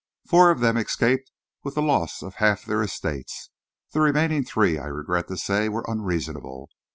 Four of them escaped with the loss of half their estates. The remaining three, I regret to say, were unreasonable.